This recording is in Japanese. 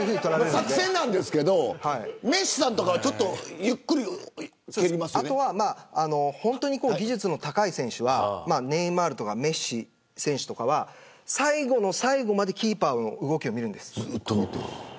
作戦なんですけどメッシさんとかは本当に技術の高い選手はネイマールとかメッシ選手は最後の最後までキーパーの動きを見るんです。